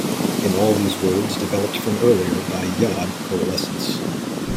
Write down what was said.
In all these words, developed from earlier by "yod"-coalescence.